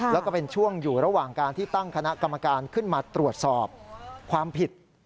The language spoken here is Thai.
แล้วก็เป็นช่วงอยู่ระหว่างการที่ตั้งคณะกรรมการขึ้นมาตรวจสอบความผิด